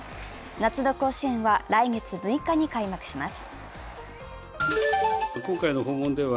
夏の甲子園は、来月６日に開幕します。